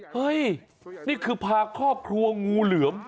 เฮ้ยนี่คือพาครอบครัวงูเหลือม